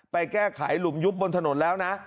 ไปแก้ไขหลุมยุบบนถนนแล้วนะ